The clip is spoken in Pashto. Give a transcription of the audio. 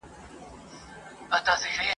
بیا پسرلی سو دښتونه شنه سول !.